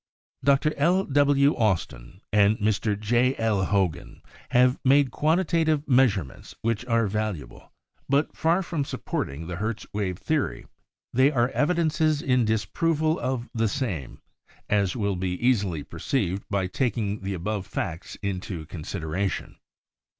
Dr. L. W. Austin and Mr. J. L. Hogan have made quantitative measurements which are valuable, but far from supporting the Hertz wave theory they are evidences in disproval of the same, as will be easily per ceived by taking the above facts into con sideration.